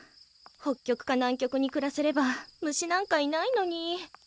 北極か南極に暮らせれば虫なんかいないのに。